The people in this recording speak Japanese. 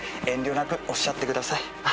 遠慮なくおっしゃってください。